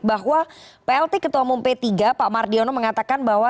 bahwa plt ketua umum p tiga pak mardiono mengatakan bahwa